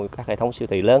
các hệ thống siêu thị lớn